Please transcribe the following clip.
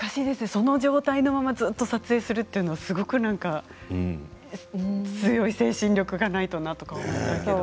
その状態のままずっと撮影をするというのは強い精神力がないとなと思ったり。